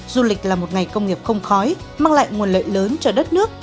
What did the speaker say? du lịch là một ngành công nghiệp không khói mang lại nguồn lợi lớn cho đất nước